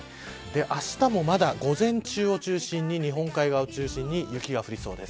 あしたもまだ午前中を中心に日本海側を中心に雪が降りそうです。